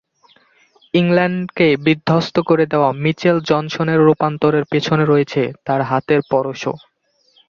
ইংল্যান্ডকে বিধ্বস্ত করে দেওয়া মিচেল জনসনের রূপান্তরের পেছনে রয়েছে তাঁর হাতের পরশও।